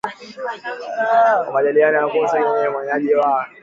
kwa majadiliano juu ya kuchagua nchi itakayokuwa mwenyeji wa